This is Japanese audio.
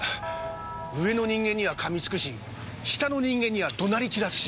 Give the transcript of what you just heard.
上の人間には噛みつくし下の人間には怒鳴り散らすし。